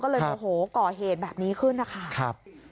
ก็เลยโมโหก่อเหตุแบบนี้ขึ้นนะคะ